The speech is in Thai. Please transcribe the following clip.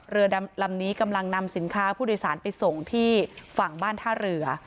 เรือดำลำนี้กำลังนำสินค้าผู้โดยสารไปส่งที่ฝั่งบ้านท่าเรือ